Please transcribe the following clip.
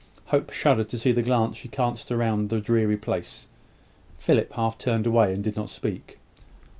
Hope shuddered to see the glance she cast round the dreary place. Philip half turned away and did not speak.